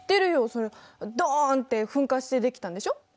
そりゃドンって噴火して出来たんでしょ？